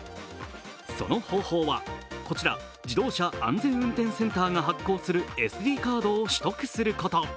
その方法はこちら、自動車安全運転センターが発行するＳＤカードを取得すること。